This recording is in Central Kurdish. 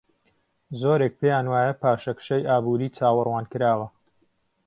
زۆرێک پێیان وایە پاشەکشەی ئابووری چاوەڕوانکراوە.